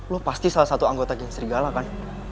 lu pasti salah satu anggota geng serigala kan